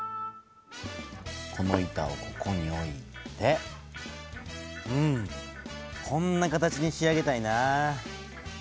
この板をここに置いてうんこんな形に仕上げたいな。